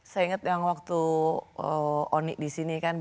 saya inget yang waktu oni disini kan